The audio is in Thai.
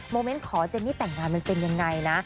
เมนต์ขอเจนนี่แต่งงานมันเป็นยังไงนะ